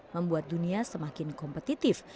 membuat dunia semakin kompetitif